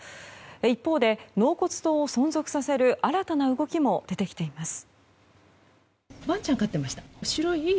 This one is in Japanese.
一方で、納骨堂を存続させる新たな動きも出てきています。